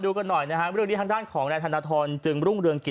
ทุกหน่วยในเขตที่๑นครปฐมต้องมีการนับคะแนนใหม่ในวันนี้